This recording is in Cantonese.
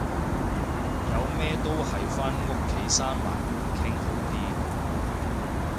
有咩都係返屋企閂埋門傾好啲